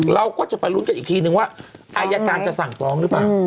เราก็จะไปลุ้นกันอีกทีนึงว่าอายการจะสั่งฟ้องหรือเปล่า